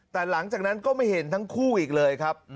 แต่หลังจากนั้นก็ไม่เห็นทั้งคู่อีกเลยครับ